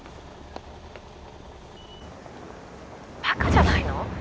バカじゃないの？